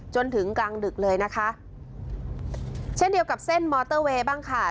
จนถึงกลางดึกเลยนะคะเช่นเดียวกับเส้นมอเตอร์เวย์บ้างค่ะ